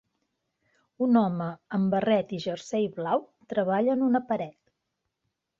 Un home amb barret i jersei blau treballa en una paret.